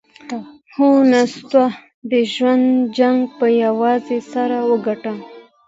هو، نستوه د ژوند جنګ پهٔ یوازې سر وګاټهٔ!